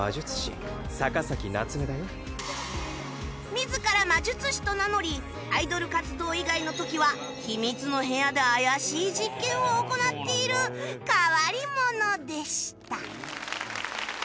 自ら魔術師と名乗りアイドル活動以外の時は秘密の部屋で怪しい実験を行っている変わり者でした